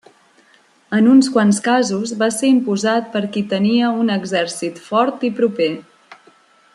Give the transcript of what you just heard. En uns quants casos va ser imposat per qui tenia un exèrcit fort i proper.